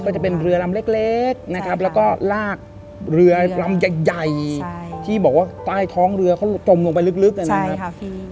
ก็จะเป็นเรือลำเล็กนะครับแล้วก็ลากเรือลำใหญ่ที่บอกว่าใต้ท้องเรือเขาจมลงไปลึกนะครับ